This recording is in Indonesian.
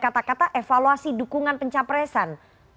kata kata evaluasi dukungan pencapresan